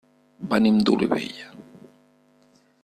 Venim d'Olivella.